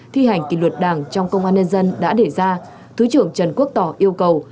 thi hành kỷ luật đảng trong công an nhân dân đã để ra thứ trưởng trần quốc tỏ yêu cầu